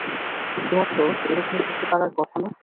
তোমার তো এরকম করতে পারার কথা না।